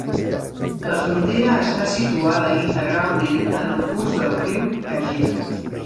La frontera està situada integralment en el curs del riu Kagera.